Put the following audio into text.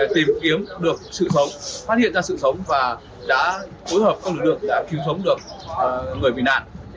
tìm kiếm được sự thống phát hiện ra sự sống và đã phối hợp các lực lượng đã cứu sống được người bị nạn